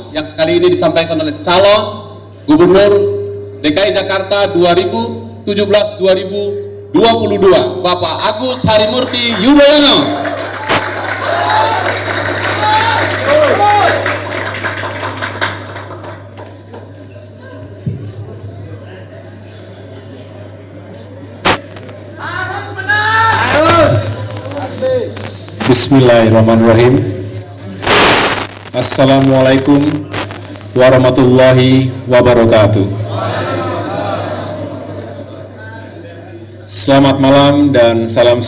yang sekali ini disampaikan oleh calon gubernur dki jakarta dua ribu tujuh belas dua ribu dua puluh dua bapak agus harimurti yudhoyono